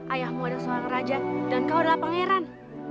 ayahmu adalah seorang raja dan kau adalah pangeran